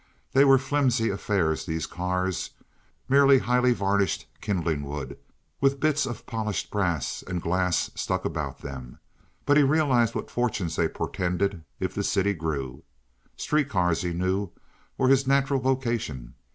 They were flimsy affairs, these cars, merely highly varnished kindling wood with bits of polished brass and glass stuck about them, but he realized what fortunes they portended if the city grew. Street cars, he knew, were his natural vocation.